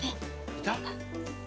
いた？